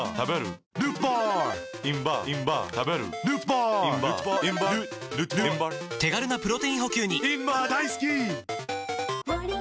ｉｎバー大好き！